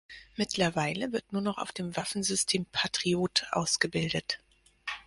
Mittlerweile wird nur noch auf dem Waffensystem Patriot ausgebildet.